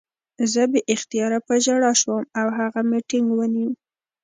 زه بې اختیاره په ژړا شوم او هغه مې ټینګ ونیو